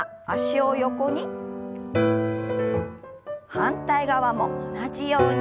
反対側も同じように。